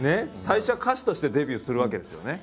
最初は歌手としてデビューするわけですよね？